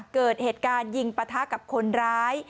เกิดเหตุการณ์ยิงปะทะกับคนร้าย